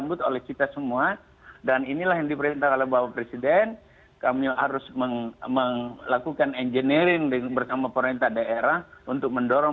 bukan itu saja bu